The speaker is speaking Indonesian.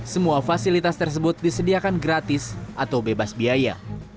semua fasilitas tersebut disediakan gratis atau bebas biaya